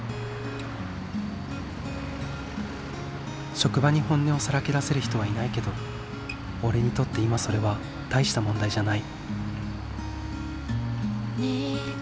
職場に本音をさらけ出せる人はいないけど俺にとって今それは大した問題じゃない。